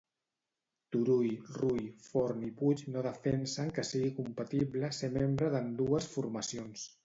Turull, Rull, Forn i Puig no defensen que sigui compatible ser membre d'ambdues formacions.